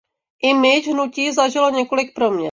Image hnutí zažilo několik proměn.